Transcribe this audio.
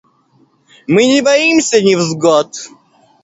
Мы не боимся невзгод.